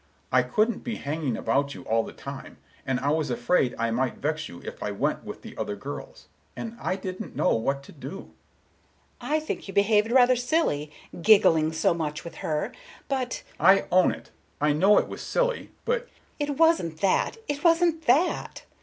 I couldn't be hanging about you all the time, and I was afraid I might vex you if I went with the other girls; and I didn't know what to do." Miss Galbraith: "I think you behaved rather silly, giggling so much with her. But"— Mr. Richards: "I own it, I know it was silly. But"— Miss Galbraith: "It wasn't that; it wasn't that!"